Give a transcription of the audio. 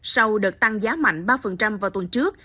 sau đợt tăng giá mạnh ba vào tuần trước